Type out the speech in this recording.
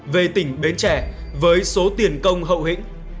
về tỉnh bến trẻ với số tiền công hậu hĩnh